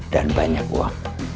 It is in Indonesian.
dan banyak uang